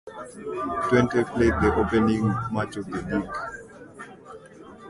Twente played the opening match of the league.